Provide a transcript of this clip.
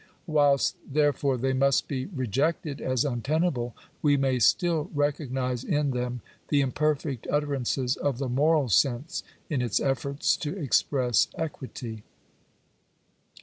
Whilst, therefore, they must be rejected as untenable, we may still re cognise in them the imperfect utterances of the moral sense in its efforts to express equity.